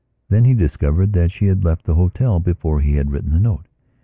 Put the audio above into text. Then he discovered that she had left the hotel before he had written the note.